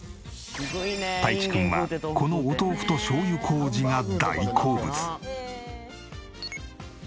たいちくんはこのお豆腐としょうゆ麹が大好物。